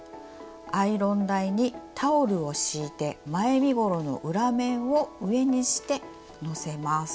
アイロン台にタオルを敷いて前身ごろの裏面を上にしてのせます。